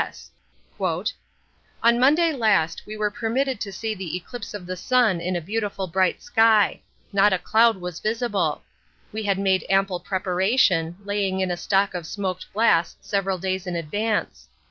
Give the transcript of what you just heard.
S.:— "On Monday last we were permitted to see the eclipse of the Sun in a beautiful bright sky. Not a cloud was visible. We had made ample preparation, laying in a stock of smoked glass several days in advance.